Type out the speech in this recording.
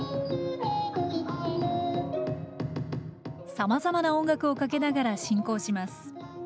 さまざまな音楽をかけながら進行します。